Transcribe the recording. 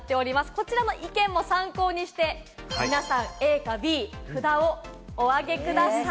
こちらの意見も参考にして、皆さん、ＡかＢ、札をお挙げください。